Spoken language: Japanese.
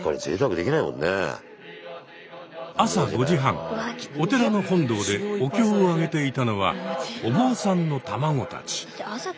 朝５時半お寺の本堂でお経をあげていたのはお坊さんの卵たち。